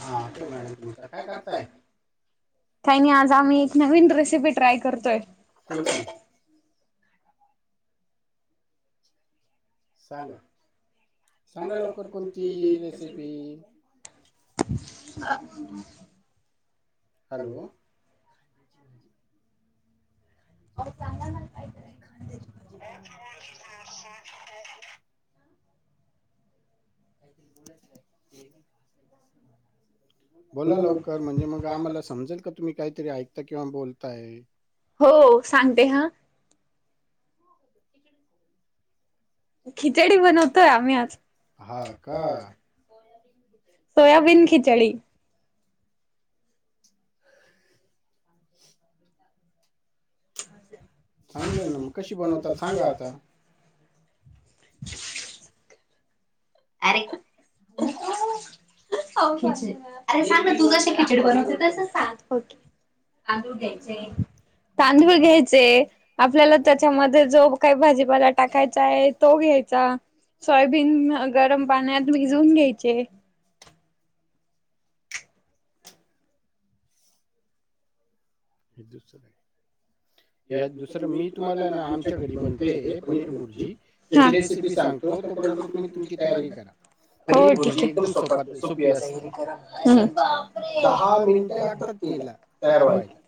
हा मॅडम तुमच काय करताय? काही आज आम्ही एक नवीन रेसिपी ट्राय करतोय. कोणती? हॅलो सांगा लवकर तुमची रेसिपी. [inaudible] हॅलो. हो सांगा ना काहीतरी कांद्याची भजी [unintelligible] काहीतरी बोलत नाही ते. बोला लवकर म्हणजे मग आम्हाला समजेल का तुम्ही काहीतरी ऐकता किंवा बोलताय. हो सांगते हा. [inaudible] खिचडी बनवतोय आम्ही आज हा का. सोयाबीन खिचडी. [inaudible] चांगलंय ना मग कशी बनवतात सांगा आता? [inaudible] अरे. [unintelligible] अरे सांग ना तू जशी खिचडी बनवते तसंच सांग. तांदूळ घ्यायचे तांदूळ घ्यायचे आपल्याला त्याच्यामध्ये जो काही भाजीपाला टाकायचा आहे तो घ्यायचा सोयाबीन गरम पाण्यात भिजवून घ्यायचे. [inaudible] [inaudible] हे दुसरं मी तुम्हाला ना आमच्या घरी बनतेय पनीर बुर्जी त्याची रेसिपी सांगतो तोपर्यंत तुम्ही तुमची तयारी करा. पनीर भुर्जी एकदम सोप सोपी असते दहा मिनिटं लागतात तिला. तयार व्हायला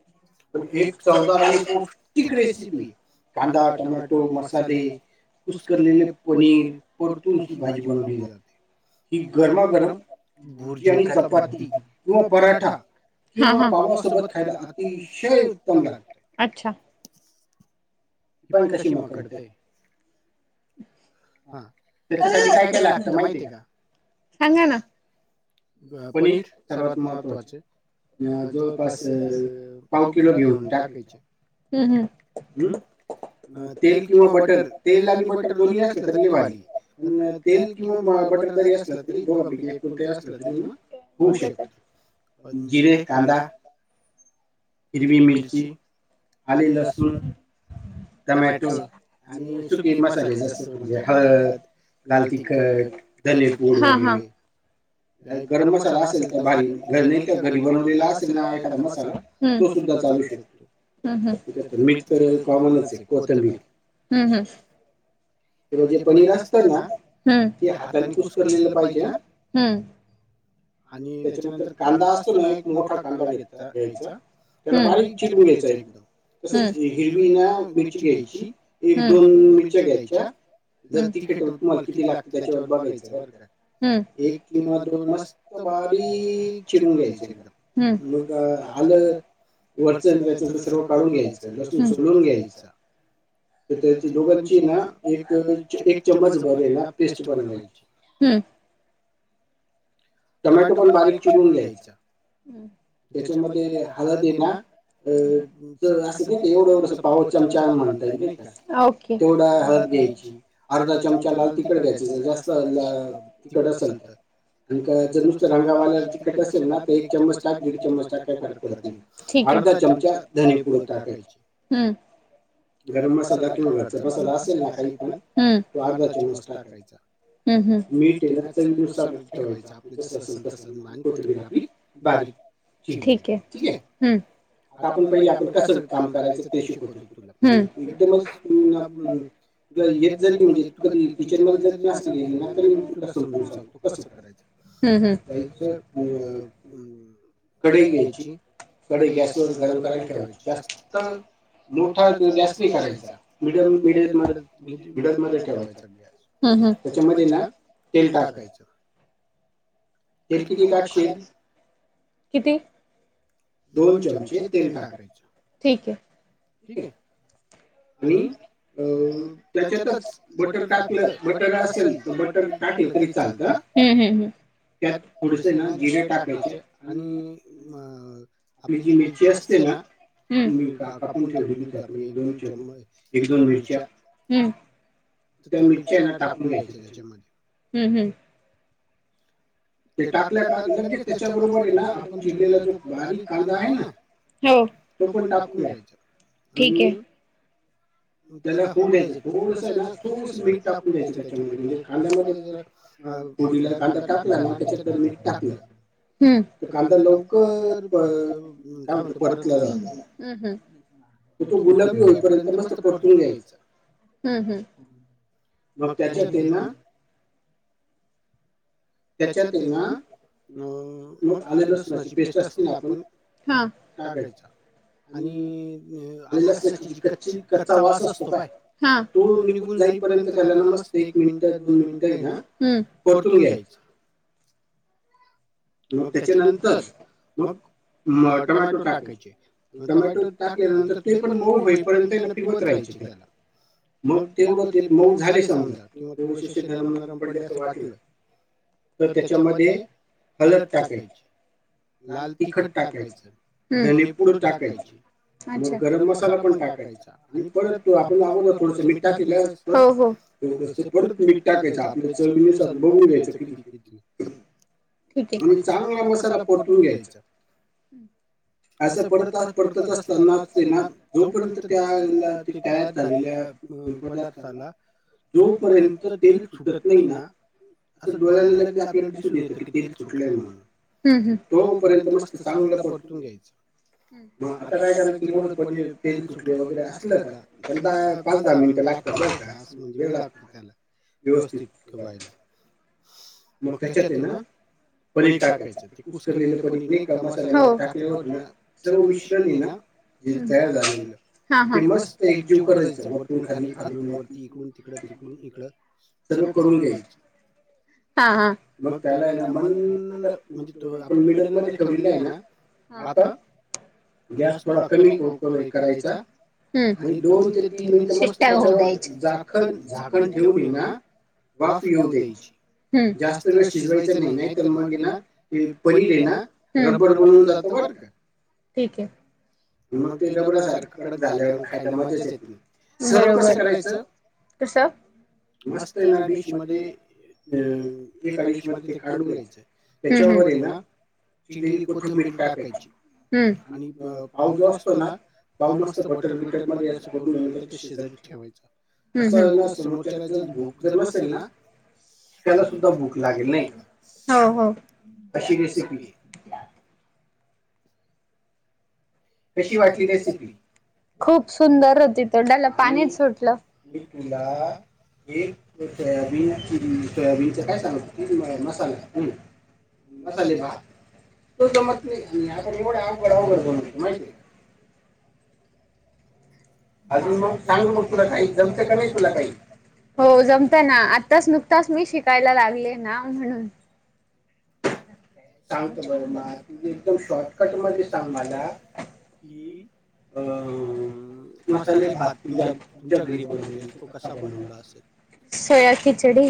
पण एक चवदार आणि पौष्टिक रेसिपी कांदा, टोमॅटो, मसाले, कुसकरलेले पनीर परतून ही भाजी बनवली जाते. हि गरमागरम भुर्जी आणि चपाती किंवा पराठा किंवा पावासोबत खायला अतिशय उत्तम लागतं. अच्छा. ही पाय ना कशी मकडते. हा त्याच्यासाठी काय काय लागतं माहितीय का? पनीर सर्वात महत्त्वाचे अ जवळपास अ पाव किलो घेऊन टाकायचे हम्म अ तेल किंवा बटर तेल आणि बटर दोन्ही असलं तर लय भारी पण तेल किंवा बटर जरी असला तरी दोघांपैकी एक कोणताही असला तरी मग होऊ शकतो पण जिरे, कांदा, हिरवी मिरची आले लसूण टोमॅटो आणि सुकी मसाले जास्त म्हणजे हळद लाल तिखट, धनेपूड हा हा.. गरम मसाला असेल तर भारी घर नाही तर घरी बनवलेला असेल ना एखादा मसाला हम तो सुद्धा चालू शकतो हा ह मीठ तर कॉमनच कोथिंबीर हम् हम् ह हेब जे पनीर असत ना? ते हातानी कुसकरलेलं पाहिजे हा आणि त्याच्यानंतर कांदा असतो ना एक मोठा कांदा घेत घ्यायचा त्याला बारीक चिरून घ्यायच एकदम तसंच हिरवी ना मिरची घ्यायची एक दोन मिरच्या घ्यायच्या जर तिखट तुम्हाला किती लागतं त्याच्यावर बघायचं बरं का? एक किंवा दोन मस्त बारीक चिरून घ्यायचे एकदम मग आलं वरच त्याच्याच सर्व काढून घ्यायचं लसूण सोलून घ्यायचं चा तर त्याची दोघांची ना एक एक चम्मच भर हाय ना पेस्ट बनवायची हम्म. टोमॅटो पण बारीक चिरून घ्यायचा त्याच्यामध्ये हळद आहे ना अ असं नाही का एवढं एवढंस पाव चमचा म्हणता येई नाही का तेवढा हळद घ्यायची अर्धा चमचा लाल तिखट घ्यायचं जर जास्तच - जास्त तिखट असेल तर आणि [inaudible] तिखट असेल ना ते एक चमच टाक दीड चमच टाकायचं ठीक आहे. अर्धा चमचा धनेपूड टाकायचे. गरम मसाला किंवा घरचा मसाला असेल ना काही पण तो अर्धा चमचा टाकायचा. मीठ आहे ना चवी नुसार ठेवायचं आपलं जसं असेल तसं आणि कोथंबीर आपली बारीक चिरलेली. ठीके! आता आपण पहिले आपण कसं काम करायचं ते शिकू. तु म्हणजे एकदम त तुला येत जरी म्हणजे तू कधी किचन मध्ये जरी नसेल गेली ना तरी मी तुला समजून सांगतो कसं करायचं त्याच कढई घ्यायची कढई गॅसवर गरम करायला ठेवायची, जास्त मोठा गॅस नाही करायचा मिडीयम मिडल मध्ये मिडल मध्ये ठेवायचा गॅस त्याच्यामध्ये ना तेल टाकायचं तेल किती टाकशील? किती? दोन चमचे तेल टाकायचं. ठीक आहे. ठीक आहे. आणि अ त्याच्यातच बटर टाकलं बटर असेल इथ बटन टाकलं तरी चालतं त्यात थोडेसे ना जिरे टाकायचे आणि म आपली जी मिरची असते ना मी का क ठेवलेली होती आपण एक दोन चमच एक दोन मिरच्या तर त्या मिरच्या आहे ना टाकून घ्यायच्या त्याच्यामध्ये हम् हम्. ते टाकल्या का लगेच त्याच्या बरोबर आहे ना आपण चिरलेला जो बारीक कांदा आहे ना तो पण टाकून घ्यायचा आणि त्याला होऊ द्यायचं थोडंसं आहे ना थोडंसं मीठ टाकून द्यायचं त्याच्यामध्ये म्हणजे कांद्यामध्ये जरा अ फोडणीला कांदा टाकला ना त्याच्यात जर मीठ टाकलं तर कांदा लवकर प काय म्हणतो परतला जातो. तर तो गुलाबी होईपर्यंत मस्त परतून घ्यायचा. मग त्याच्यात आहे ना त्याच्या ते ना. मग आले लसणाची पेस्ट असते ना हा ती टाकायची. आणि आले लसणाचा कच्ची कच्चा वास असतो काय हा. तो निघून जाईपर्यंत त्याला ना मस्त एक मिनिट दोन मिनिट आहे ना हा परतून घ्यायचं. मग त्याच्यानंतर मग मग टमॅटो टाकायचे टमॅटो टाकल्यानंतर ते पण मऊ होईपर्यंत हेणा फिरवत राहायचं. ची त्याला. मग तेवढं ते मऊ झाले समजा किंवा थोडसे शेंगदाणे नरम पडले असं वाटलं [inaudible] मग त्याच्यामध्ये हळद टाकायची लाल तिखट टाकायचं धनेपुड टाकायची. मग गरम मसाला पण टाकायचा आणि परत तो आपण अगोदर थोडसं मीठ टाकलेलं असत. थोडंसं परत मीठ टाकायचं आपल्या चवीनुसार बघून घ्यायचं किती किती आणि चांगला मसाला परतून घ्यायचा. असं परत परतत असतानाच हेना जोपर्यंत त्याल ते तयार झालेल्या. हा पदार्थाला जोपर्यंत तेल सुटत नाही ना असं डोळ्याला लगेच आपल्याला दिसून येतं ते. तेल सुटलंय म्हणून तोपर्यंत मस्त चांगलं परतून घ्यायचं. मग आता काय करायचं एवढं पनीर तेल सुटलं वगैरे असलं का त्याला दहा पाच दहा मिनिटे लागतात. बरं का अस म्हणजे वेळ लागतो त्याला व्यवस्थित व्हायला. मग त्याचेत आहे ना. पनीर टाकायचं ते कुसकरलेलं पनीर नाही का मसाल्यामध्ये टाकल्यावर ना सर्व मिश्रण आहे ना जे तयार झालेलं ते मस्त एकजीव करायचं वरतून खाली खालून वरती इकडून तिकड तिकडून इकडं. सर्व करून घ्यायचं. हा हा मग त्याला आहे ना मंद आपण मिडल मध्ये ठेवलेलं आहे ना. हा आता. गॅस थोडा कमी कू क करायचा. आणि दोन ते तीन मिनिट मस्त त्याच्यावर जाखण झाकण ठेवून येे ना. वाफ येऊ द्यायची. जास्त वेळ शिजवायच नाही नाही तर मग ये ना ते पनीर आहे ना रब्बर बनवून जात बर. ओके. ठीक आहे. [unintelligible] कस? अं एका डीश मध्ये ते काढून घ्यायचं, त्याच्यावर आहे ना चिरलेली कोथिंबीर टाकायची. आणि पाव जो असतो ना, पाव मस्त बटर बिटर मध्ये असं करून [unintelligible] ठेवायच, असं ना समोरच्याला जर भूक जर नसेल ना त्याला सुद्धा भूक लागेल नाही, अशी रेसिपी कशी वाटली रेसिपी? खूप सुंदर होती, तोंडाला पाणीच सुटलं. एक सोयाबीन, सोयाबीनच काय सांग होती गं मसाला मसाले भात, आता एवढ अवघड अवघड बनवतो माहितीय का? अजून मग सांग मग, तुला काही जमतें का नाही तुला काही? हो जमता ना, आत्ताच नुकताच मी शिकायला लागले ना म्हणून [unintelligible] सांगतो बरं, म त एकदम शॉर्टकट मध्ये सांग मला कि [unintelligible] मसाले भात, [unintelligible] सोया खिचडी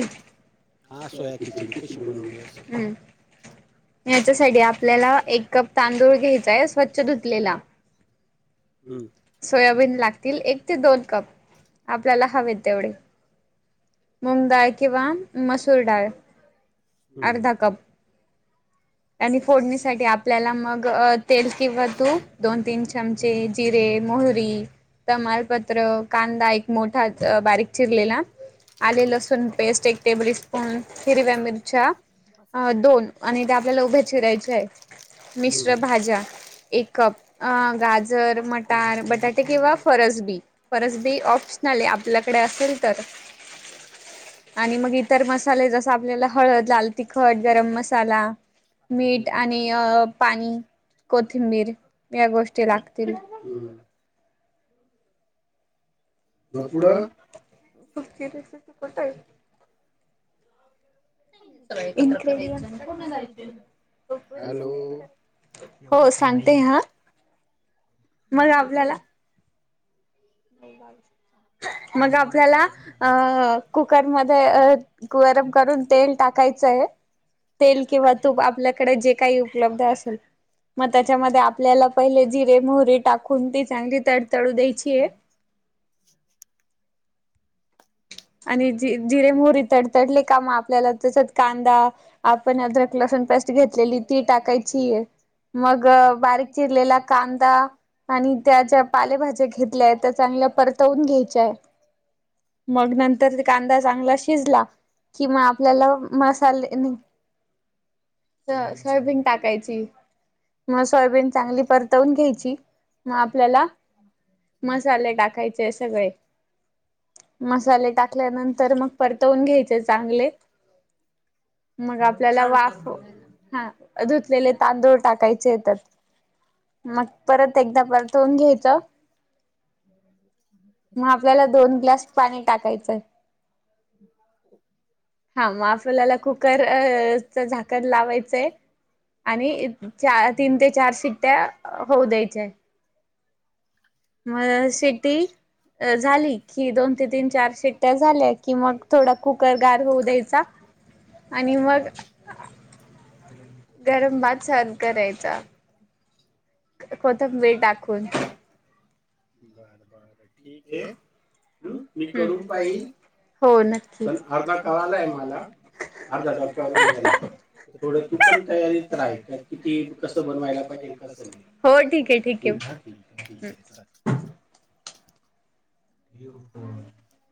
याच्यासाठी आपल्याला एक कप तांदूळ घ्यायचाय, स्वच्छ धुतलेला. सोयाबीन लागतील एक ते दोन कप आपल्याला हवेत तेवढे. मूगडाळ किंवा मसूर डाळ अर्धा कप आणि फोडणीसाठी आपल्याला मग तेल किंवा तूप दोन, तीन चमचे जिरे, मोहरी तमालपत्र, कांदा एक मोठा अं बारीक चिरलेला, आलं, लसूण पेस्ट, एक टेबल स्पून हिरव्या मिरच्या दोन आणि आपल्याला उभ्या चिरायचे आहे, मिश्र भाज्या एक कप अं गाजर, मटार, बटाटे किंवा फरस बी. फरस बी ऑप्शनले, आपल्याकडे असेल तर [unintelligible] आणि मग इतर मसाले जस आपल्याला हळद, लाल तिखट, गरम मसाला मीठ आणि अं पाणी कोथिंबीर या गोष्टी लागतील. [unintelligible] [unintelligible] हो, सांगते हा. मग आपल्याला मग आपल्याला अं कुकरमध्ये अं गरम करून तेल टाकायचंय. तेल किंवा तूप आपल्याकडे जे काही उपलब्ध असेल मग त्याच्यामध्ये आपल्याला पहिले जिरे, मोहरी टाकून ती चांगली तडतडू द्यायची आहे. आणि जी जिरे, मोहरी तडतडले का मग आपल्याला त्याच्यात कांदा आपण अद्रक, लसण पेस्ट घेतलेली ती टाकायची आहे. मग बारीक चिरलेला कांदा आणि त्या ज्या पालेभाज्या घेतल्याय त्या चांगल्या परतवून घ्यायच्या आहे. मगनंतर कांदा चांगला शिजला, कि म आपल्याला मसाले सो, सोयाबीन टाकायची. म सोयाबीन चांगली परतावून द्यायची म आपल्याला मसाले टाकायचे सगळे, मसाले टाक त्यानंतर मग परतवून घ्यायचे चांगले, मग आपल्याला वाफ हा, धुतलेले तांदूळ टाकायचे त्यात. मग परत एकदा परतवून घ्यायचं. मग आपल्याला दोन ग्लास पाणी टाकायचं हा मग आपल्याला कुकर झाक लावायचंय आणि चा तीन ते चार शिट्ट्या होऊ द्यायच्या. [unintelligible] म, सीट्टी अ, झाली कि दोन ते तीन चार शिट्ट्या झाल्या कि मग थोडा कुकर गार होऊ द्यायचा. आणि मग गरम भात शान करायचा. कोथंबीर टाकून. मी ते हम्म मी करून पाहिल. हो नक्की, अर्धा कळालाय आम्हाला, अर्धा डोकयावरून गेलं. थोडं तू पण तयारीत राह, किती कसं बनवायला पाहिजे कसं. हो, ठीक आहे, ठीक आहे. हम्म [unintelligible] [unintelligible]